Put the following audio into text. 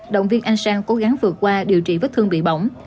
động viên anh sang cố gắng vượt qua điều trị vết thương bị bỏng